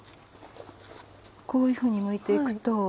こういうふうにむいて行くと。